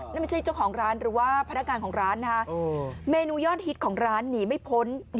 นั่นไม่ใช่เจ้าของร้านหรือว่าพนักงานของร้านนะคะเมนูยอดฮิตของร้านหนีไม่พ้น